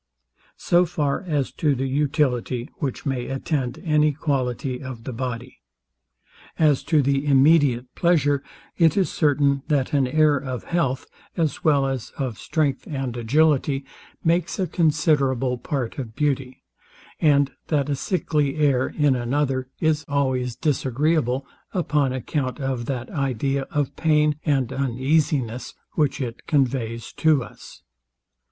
So far as to the utility, which may attend any quality of the body. As to the immediate pleasure, it is certain, that an air of health, as well as of strength and agility, makes a considerable part of beauty; and that a sickly air in another is always disagreeable, upon account of that idea of pain and uneasiness, which it conveys to us.